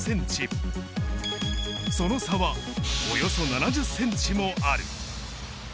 その差はおよそ７０ｃｍもある。